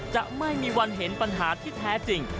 จะไม่มีวันเห็นปัญหาที่แท้จริง